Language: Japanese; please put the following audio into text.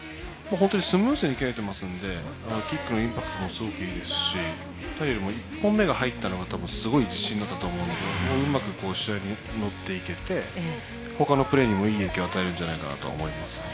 本当にスムーズに蹴れてますんでキックのインパクトもすごいいいですし何よりも１本目が入ったのがすごく自信になったと思うのでうまく試合に乗っていけて他のプレーにもいい影響を与えると思います。